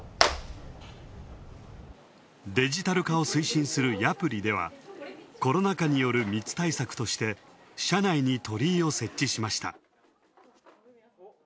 デジタル化を推進するヤプリでは、コロナ禍による密対策として、社内に鳥居を設置しました。